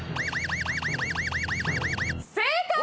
正解！